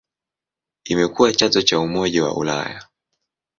Imekuwa chanzo cha Umoja wa Ulaya.